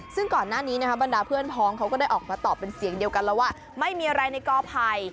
ซึ่งก่อนหน้านี้บรรดาเพื่อนพ้องเขาก็ได้ออกมาตอบเป็นเสียงเดียวกันแล้วว่าไม่มีอะไรในกอภัย